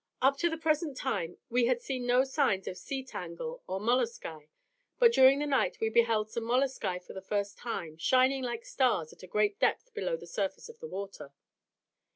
Up to the present time we had seen no signs of sea tangle or molluscae, but during the night we beheld some molluscae for the first time, shining like stars at a great depth below the surface of the water.